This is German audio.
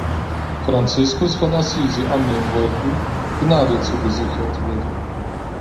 Franziskus von Assisi annehmen wollten, Gnade zugesichert wurde.